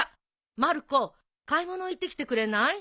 まる子買い物行ってきてくれない？